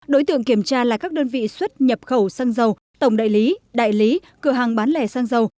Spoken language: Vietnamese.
đối tượng kiểm tra là các đơn vị xuất nhập khẩu xăng dầu tổng đại lý đại lý cửa hàng bán lẻ xăng dầu